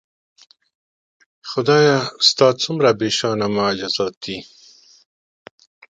خدایه ستا څومره بېشانه معجزات دي